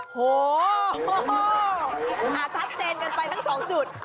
โหชัดเจนกันไปทั้ง๒จุด